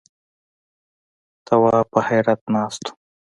تواب په حيرت ناست و.